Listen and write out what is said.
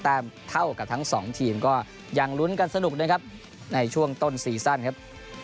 แต่เท่ากับทั้ง๒ทีมก็ยังลุ้นกันสนุกด้วยครับในช่วงต้น๔สั้นครับ